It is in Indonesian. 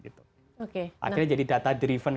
akhirnya jadi data driven